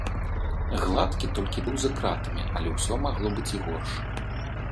Гладкі толькі быў за кратамі, але ўсё магло быць і горш.